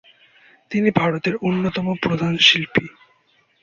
তিনি ভারতের অন্যতম প্রধান শিল্পী।